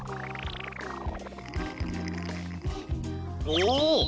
おお！